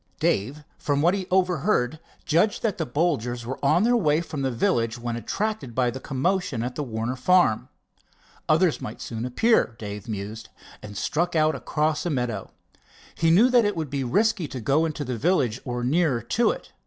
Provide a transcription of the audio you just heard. Dave, from what he overheard, judged that the Bolgers were on their way from the village when attracted by the commotion at the Warner farm. Others might soon appear, Dave mused, and struck out across a meadow. He knew that it would be risky to go into the village or nearer to it.